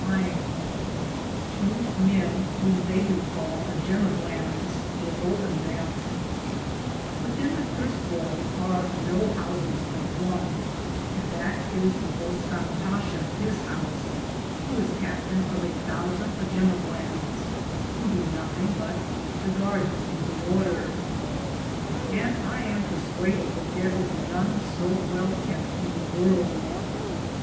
iron ; tow men, whom they do cale jemeglans,^ did open them. Wythein the firste wales ar no housis but one, and that is the bustanjebasha his house, who is captaine of a thousande jemeglanes, which doo nothinge but kepe the garthens in good order ; and I am perswaded that thare is none so well kepte in the worlde.